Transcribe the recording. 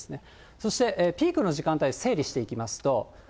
そしてピークの時間帯、整理していきますと。